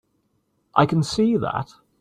I can see that.